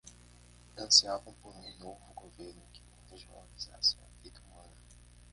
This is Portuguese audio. Ansiavam por um novo governo que não desvalorizasse a vida humana